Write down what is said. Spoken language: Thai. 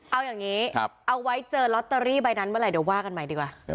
เอาอย่างนี้เอาไว้เจอลอตเตอรี่ใบนั้นเมื่อไหร่เดี๋ยวว่ากันใหม่ดีกว่า